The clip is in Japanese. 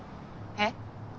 えっ？